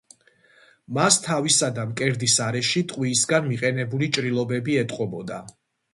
მას თავისა და მკერდის არეში ტყვიისგან მიყენებული ჭრილობები ეტყობოდა.